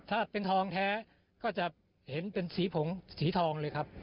ถ้าเป็นทองแท้ก็จะเห็นเป็นสีผงสีทองเลยครับ